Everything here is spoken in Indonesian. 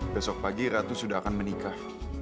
besok pagi ratu sudah akan menikah